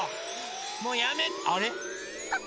もうやめあれ？